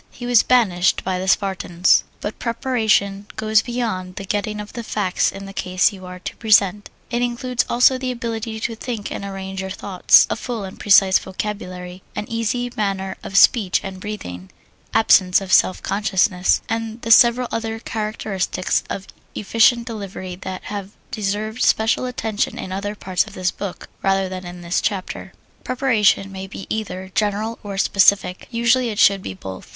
He was banished by the Spartans. But preparation goes beyond the getting of the facts in the case you are to present: it includes also the ability to think and arrange your thoughts, a full and precise vocabulary, an easy manner of speech and breathing, absence of self consciousness, and the several other characteristics of efficient delivery that have deserved special attention in other parts of this book rather than in this chapter. Preparation may be either general or specific; usually it should be both.